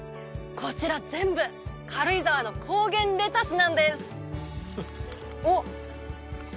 こちら全部軽井沢の高原レタスなんですおっ